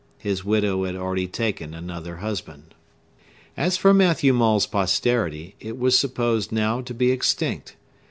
His widow had recently taken another husband. As for Matthew Maule's posterity, it was supposed now to be extinct.